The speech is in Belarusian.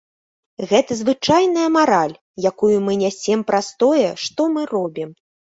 Гэта звычайная мараль, якую мы нясем праз тое, што мы робім.